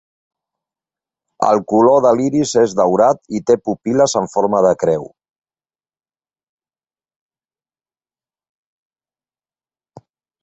El color de l'iris és daurat i té pupil·les en forma de creu.